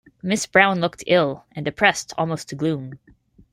Miss Brown looked ill, and depressed almost to gloom.